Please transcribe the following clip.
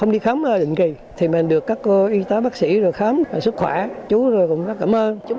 đi khám định kỳ thì mình được các cô y tá bác sĩ rồi khám sức khỏe chú rồi cũng cảm ơn chúng